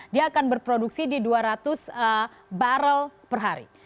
dia akan berproduksi di dua ratus barrel per hari